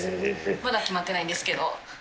まだ決まってないんですけど。